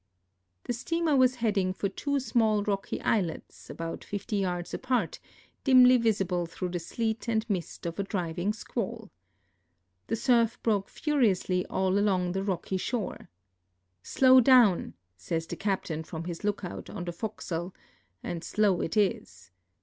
The steamer was heading for two small rocky islets, about 50 yards apart, dimly visible through the sleet and mist of a driving squall. The surf broke furiously all along the rocky shore. "Slowdown!" .says the captain from his lookout on the fore castle, and slow it is.